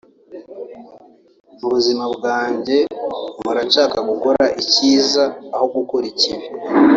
Mu buzima bwanjye mpora nshaka gukora icyiza aho gukora ikibi